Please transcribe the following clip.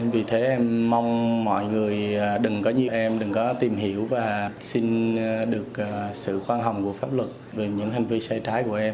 vì thế em mong mọi người đừng có như em đừng có tìm hiểu và xin được sự khoan hồng của pháp luật về những hành vi sai trái của em